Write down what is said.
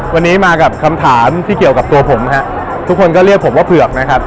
วันนี้มากับคำถามที่เกี่ยวกับตัวผมฮะทุกคนก็เรียกผมว่าเผือกนะครับ